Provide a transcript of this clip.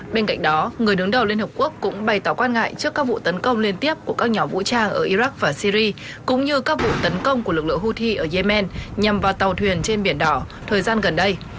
bên cạnh đó người đứng đầu liên hợp quốc cũng bày tỏ quan ngại trước các vụ tấn công liên tiếp của các nhóm vũ trang ở iraq và syri cũng như các vụ tấn công của lực lượng houthi ở yemen nhằm vào tàu thuyền trên biển đỏ thời gian gần đây